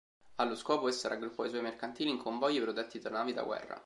Allo scopo essa raggruppò i suoi mercantili in convogli protetti da navi da guerra.